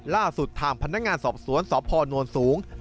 ล่าสุดทางพนักงานสอบสวนสพนสูง